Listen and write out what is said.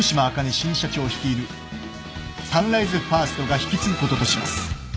新社長率いるサンライズファーストが引き継ぐこととします。